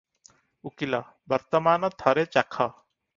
ଉକୀଲ - ବର୍ତ୍ତମାନ ଥରେ ଚାଖ ।